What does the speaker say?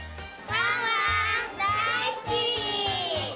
ワンワンだいすき！